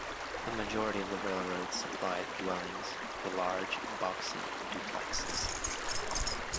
The majority of the railroad's supplied dwellings were large boxy duplexes.